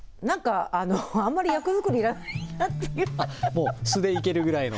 もう素でいけるくらいの？